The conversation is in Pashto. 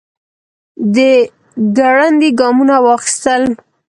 دی ګړندي ګامونه واخيستل.